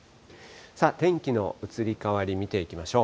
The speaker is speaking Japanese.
天気の移り変わり見ていきましょう。